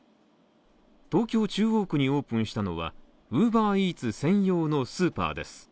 東京・中央区にオープンしたのは、ＵｂｅｒＥａｔｓ専用のスーパーです。